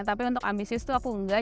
tapi untuk ambisius tuh aku enggak